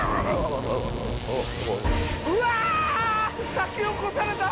先を越された！